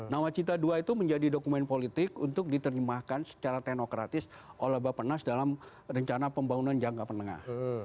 nawacita ii itu menjadi dokumen politik untuk diterjemahkan secara teknokratis oleh bapak nas dalam rencana pembangunan jangka menengah